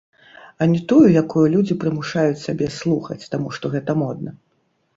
А не тую, якую людзі прымушаюць сябе слухаць, таму што гэта модна.